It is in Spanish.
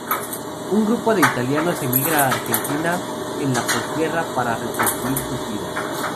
Un grupo de italianos emigra a Argentina en la postguerra para reconstruir sus vidas.